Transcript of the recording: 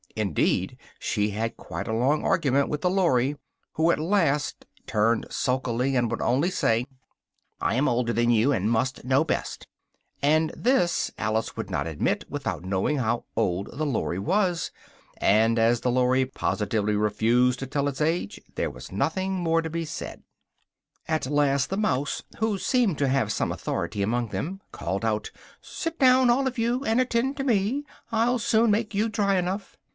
Indeed, she had quite a long argument with the Lory, who at last turned sulky, and would only say "I am older than you, and must know best," and this Alice would not admit without knowing how old the Lory was, and as the Lory positively refused to tell its age, there was nothing more to be said. At last the mouse, who seemed to have some authority among them, called out "sit down, all of you, and attend to me! I'll soon make you dry enough!"